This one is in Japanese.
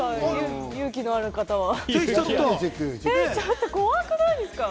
勇気のある方は。